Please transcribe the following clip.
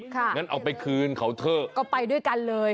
งั้นเอาไปคืนเขาเถอะก็ไปด้วยกันเลย